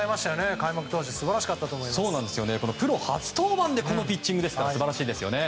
開幕投手プロ初登板でこのピッチングですから素晴らしいですよね。